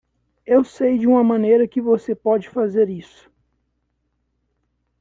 Eu sei de uma maneira que você pode fazer isso.